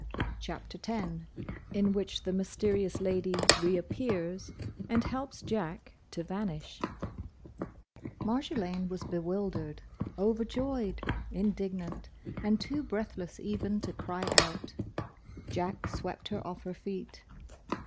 *CHAPTER X* *IN WHICH THE MYSTERIOUS LADY REAPPEARS AND HELPS JACK TO VANISH* [Illustration: Chapter X headpiece] Marjolaine was bewildered, overjoyed, indignant, and too breathless even to cry out. Jack swept her off her feet.